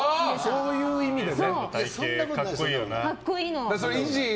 そういう意味でね。